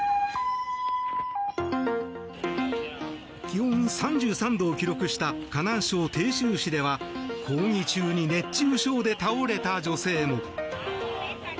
気温３３度を記録した河南省鄭州市では抗議中に熱中症で倒れた女性も。